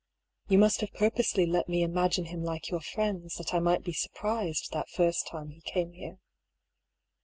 You must have purposely let me imagine him like your friends, that I might be surprised, that first time he came here.